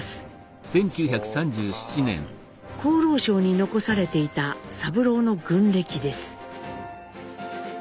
厚労省に残されていた三郎の軍歴です。